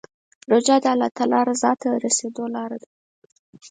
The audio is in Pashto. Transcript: روژه د الله رضا ته د رسېدو لاره ده.